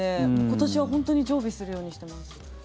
今年は本当に常備するようにしてます。